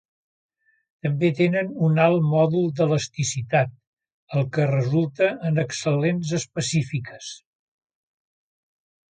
També tenen un alt mòdul d'elasticitat, el que resulta en excel·lents específiques.